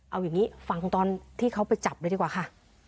เอาอย่างนี้ฟังตอนที่เขาไปจับเลยดีกว่าค่ะ